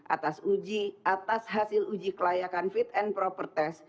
atas uji atas hasil uji kelayakan fit and proper test